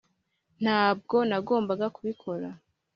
ntabwo nagombaga kubikora.